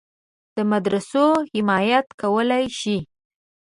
د مدرسو حمایت کولای شي.